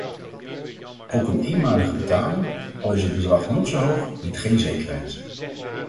Ook een eenmalige betaling, al is het bedrag nog zo hoog, biedt geen zekerheid.